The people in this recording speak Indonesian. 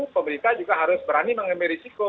pemerintah juga harus berani mengambil risiko